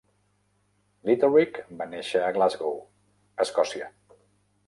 Litterick va néixer a Glasgow, Escòcia.